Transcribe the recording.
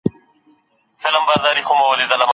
څه شی د طبیعي تنوع ساتنه کوي؟